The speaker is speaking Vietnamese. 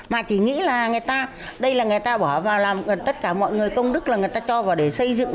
mà chỉ nghĩ là người ta đây là người ta bỏ vào làm tất cả mọi người công đức là người ta cho vào để xây dựng